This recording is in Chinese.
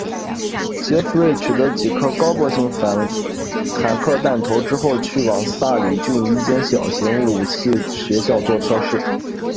杰佛瑞取得几颗高爆性反坦克弹头之后去往萨里郡一间小型武器学校作测试。